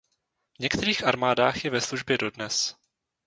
V některých armádách je ve službě dodnes.